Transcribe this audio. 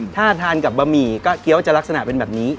ถ้าทานกับบะหมี่ก็เกี้ยวจะลักษณะเป็นแบบนี้